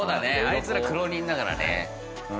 あいつら苦労人だからね。